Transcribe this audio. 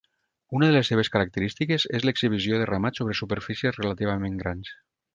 Una de les seves característiques és l'exhibició de ramats sobre superfícies relativament grans.